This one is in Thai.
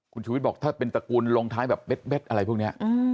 คุณชูวิทย์บอกถ้าเป็นตระกูลลงท้ายแบบเบ็ดอะไรพวกนี้